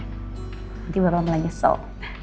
nanti bapak mulai nyesel